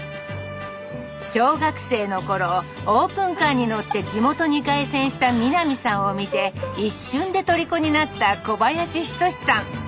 小学生の頃オープンカーに乗って地元に凱旋した三波さんを見て一瞬でとりこになった小林仁さん。